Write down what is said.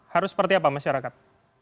harus seperti apa masyarakat